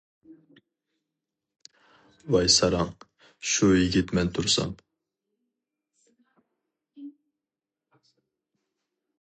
-ۋاي ساراڭ، شۇ يىگىت مەن تۇرسام.